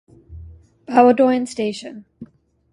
Bowdoin Station.